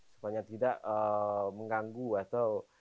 supaya tidak mengganggu atau